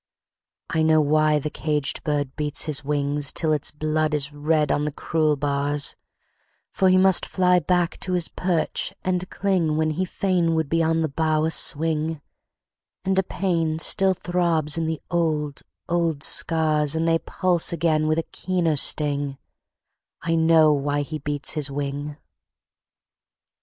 I know why the caged bird beats his wing Till its blood is red on the cruel bars; For he must fly back to his perch and cling When he fain would be on the bough a swing; And a pain still throbs in the old, old scars And they pulse again with a keener sting I know why he beats his wing!